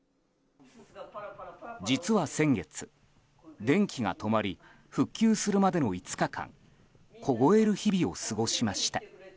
実は先月、電気が止まり復旧するまでの５日間凍える日々を過ごしました。